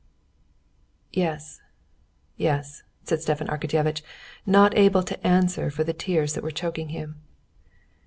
"Yes, yes...." said Stepan Arkadyevitch, not able to answer for the tears that were choking him.